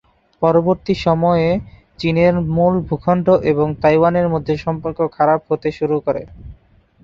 পরবর্তী সময়ে চীনের মূল ভূখণ্ড এবং তাইওয়ানের মধ্যে সম্পর্ক খারাপ হতে শুরু করে।